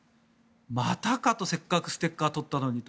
またかと、せっかくステッカー取ったのにと。